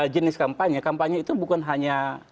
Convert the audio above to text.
jenis kampanye kampanye itu bukan hanya